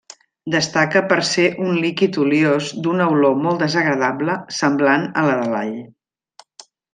Destaca per ser un líquid oliós d'una olor molt desagradable, semblant a la de l'all.